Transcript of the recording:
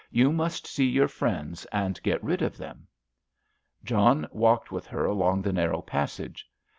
"You must see your friends and get rid of them." John walked with her along the narrow passage.